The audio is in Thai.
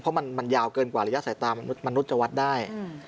เพราะมันยาวเกินกว่าระยะสายตามนุษย์จะวัดได้